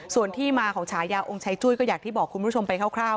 ส่วนที่มาของฉายาองค์ชายจุ้ยก็อย่างที่บอกคุณผู้ชมไปคร่าว